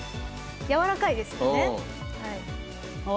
やわらかいですよね。